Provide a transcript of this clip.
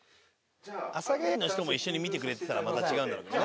阿佐ヶ谷の人も一緒に見てくれてたらまた違うんだろうけどね。